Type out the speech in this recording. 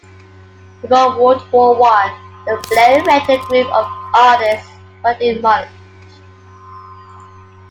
Before World War One, the Blaue Reiter group of artists worked in Munich.